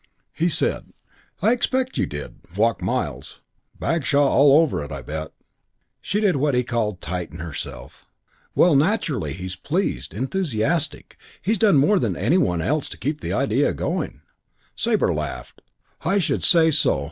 He said, "I expect you did walk miles. Bagshaw all over it, I bet." She did what he called "tighten herself." "Well, naturally, he's pleased enthusiastic. He's done more than any one else to keep the idea going." Sabre laughed. "I should say so!